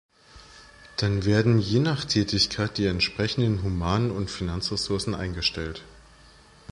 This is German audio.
Dann werden je nach Tätigkeit die entsprechenden Human- und Finanzressourcen eingestellt.